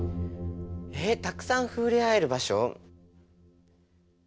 えったくさん触れ合える場所？